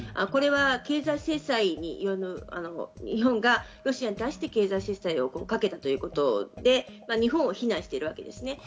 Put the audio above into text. これは経済制裁による日本がロシアに対して経済制裁をかけたということで日本を非難しているわけです。